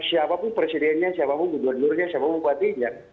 siapapun presidennya siapapun gubernurnya siapapun bupatinya